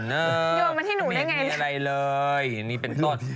เยอะมาที่หนูได้ไงไม่มีอะไรเลยนี่เป็นต้น